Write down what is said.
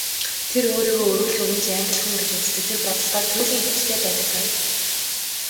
Тэр өөрийгөө үргэлж үнэнч Англи хүн гэж үздэг, тэр бодолдоо туйлын итгэлтэй байдаг байв.